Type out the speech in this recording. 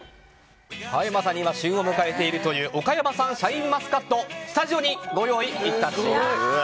まさに今旬を迎えているという岡山産シャインマスカットスタジオにご用意いたしました。